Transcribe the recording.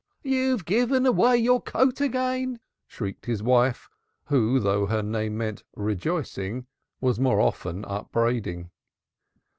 "You've given away your coat again!" shrieked his wife, who, though her name meant "Rejoicing," was more often upbraiding.